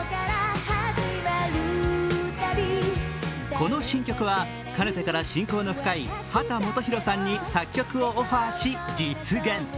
この新曲はかねてから親交の深い秦基博さんに作曲をオファーし実現。